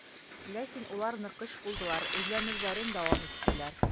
Ләкин улар ныҡыш булдылар, эҙләнеүҙәрен дауам иттеләр.